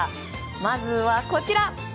まずはこちら。